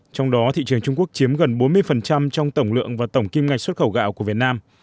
trong đó thị trường trung quốc chiếm gần bốn mươi trong tổng lượng và tổng kim ngạch xuất khẩu gạo của việt nam